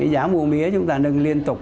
giá mua mía chúng ta nâng liên tục